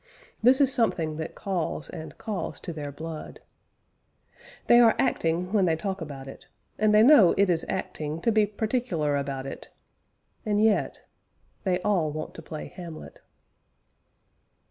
This is something that calls and calls tp their blood. They are acting when they talk about it and they know it is acting to be particular about it and yet : They all want to play Hamlet.